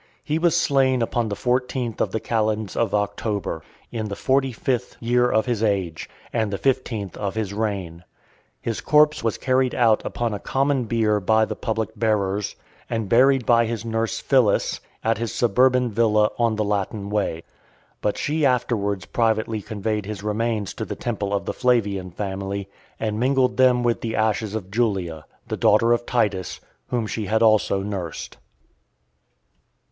He was slain upon the fourteenth of the calends of October [18th Sept.], in the forty fifth year of his age, and the fifteenth of his reign . His corpse was carried out upon a common bier by the public bearers, and buried by his nurse Phyllis, at his suburban villa on the Latin Way. But she afterwards privately conveyed his remains to the temple of the Flavian family , and mingled them with the ashes of Julia, the daughter of Titus, whom she had also nursed.